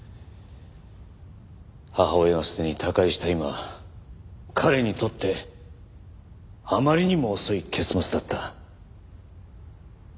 母親がすでに他界した今彼にとってあまりにも遅い結末だった。